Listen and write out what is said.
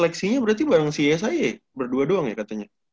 flexingnya berarti bareng si ysie berdua doang ya katanya